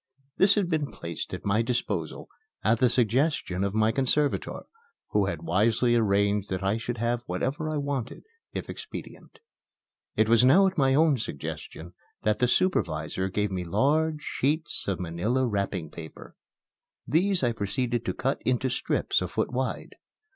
This had been placed at my disposal at the suggestion of my conservator, who had wisely arranged that I should have whatever I wanted, if expedient. It was now at my own suggestion that the supervisor gave me large sheets of manila wrapping paper. These I proceeded to cut into strips a foot wide.